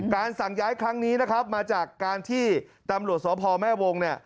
การสั่งย้ายครั้งนี้มาจากการที่ตำลวจศภอมแม่วง